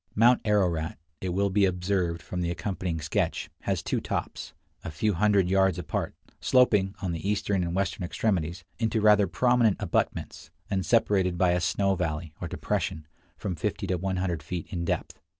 Mount Ararat, it will be observed from the accompanying sketch, has two tops, a few hundred yards apart, sloping, on the eastern and western extremities, into rather prominent abutments, and separated by a snow valley, or depression, from 50 to 100 feet in depth.